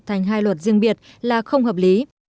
thành hai luật riêng biệt là không hợp lý